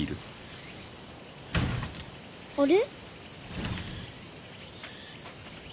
あれ？